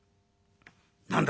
「何だ